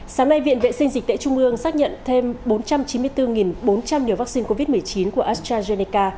sáng nay viện vệ sinh dịch tễ trung ương xác nhận thêm bốn trăm chín mươi bốn bốn trăm linh liều vaccine covid một mươi chín của astrazeneca